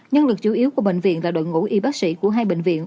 nhân lực chủ yếu của bệnh viện và đội ngũ y bác sĩ của hai bệnh viện